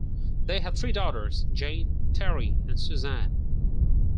They had three daughters: Jane, Terry and Susan.